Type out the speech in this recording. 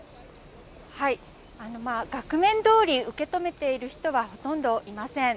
額面どおり受け止めている人はほとんどいません。